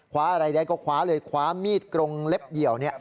ขวาอะไรได้ก็ขวาเลยขวามีดกรงเล็บเหยียว